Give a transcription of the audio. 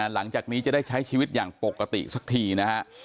หลังจากนี้จะได้ใช้ชีวิตอย่างปกติสักทีนะฮะ